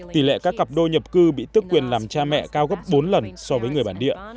tỷ lệ các cặp đôi nhập cư bị tức quyền làm cha mẹ cao gấp bốn lần so với người bản địa